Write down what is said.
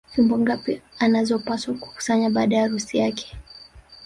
Fimbo ngapi anazopaswa kukusanya baada ya harusi yake